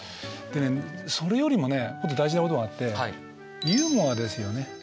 でねそれよりもねもっと大事なことがあってユーモアですよね。